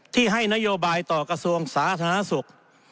ที่ให้นโยบายต่อกระทรวงสาธารณสุข